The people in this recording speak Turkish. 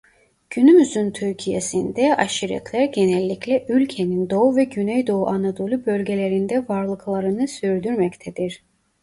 Günümüz Türkiye'sinde aşiretler genellikle ülkenin Doğu ve Güneydoğu Anadolu Bölgelerinde varlıklarını sürdürmektedir.